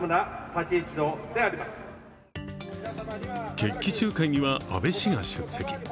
決起集会には安倍氏が出席。